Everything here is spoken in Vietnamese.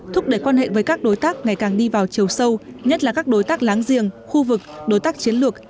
thúc đẩy quan hệ với các đối tác ngày càng đi vào chiều sâu nhất là các đối tác láng giềng khu vực đối tác chiến lược